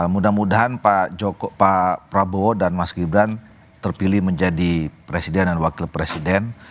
mudah mudahan pak prabowo dan mas gibran terpilih menjadi presiden dan wakil presiden